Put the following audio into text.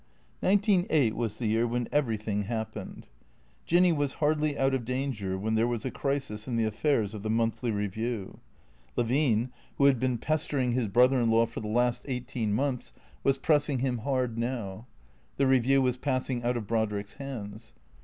Nineteen eight was the year when everything happened. Jinny was hardly out of danger when there was a crisis in the affairs of the " Monthly Eeview." Levine, who had been pester 395 396 THECREATOES ing his brother in law for the last eighteen months, was pressing him hard now. The Eeview was passing out of Brodrick's hands.